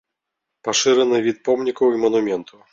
Пашыраны від помнікаў і манументаў.